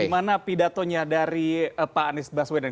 di mana pidatonya dari pak anis baswedan